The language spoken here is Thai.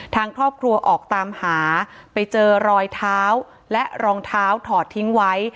ทางครอบครัวออกตามหาไปเจอรอยเท้าและรองเท้าถอดทิ้งไว้